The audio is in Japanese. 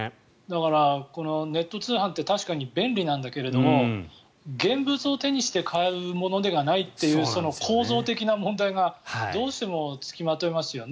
ネット通販って確かに便利なんだけれど現物を手にして買えるものではないという構造的な問題がどうしても付きまといますよね。